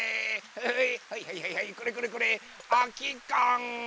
はいはいはいはいはいこれこれこれあきかん。